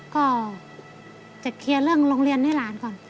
ก็จะเคลียร์เรื่องโรงเรียนให้หลานก่อน